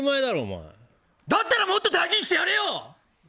だったらもっと大事にしてやれよ！